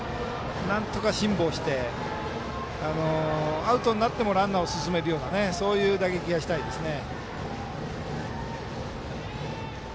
なんとか、辛抱してアウトになってもランナーを進めるようなそういう打撃がしたいですね。